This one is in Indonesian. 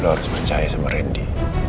lo harus percaya sama randy